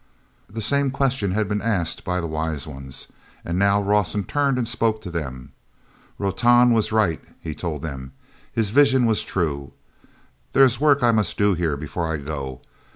The same question had been asked by the Wise Ones, and now Rawson turned and spoke to them. "Rotan was right," he told them. "His vision was true. There is work I must do here before I go.